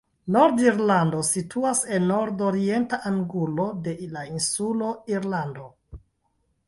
Nord-Irlando situas en la nord-orienta angulo de la insulo Irlando.